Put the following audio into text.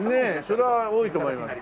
それは多いと思います。